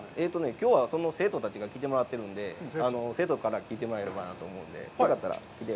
きょうは、その生徒たちに来てもらってるんで、生徒から聞いてもらえればなと思うので、よかったら、来て。